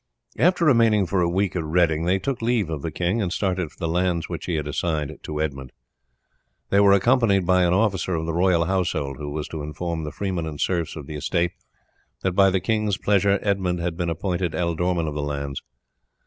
After remaining for a week at Reading they took leave of the king and started for the lands which he had assigned to Edmund. They were accompanied by an officer of the royal household, who was to inform the freemen and serfs of the estate that by the king's pleasure Edmund had been appointed ealdorman of the lands.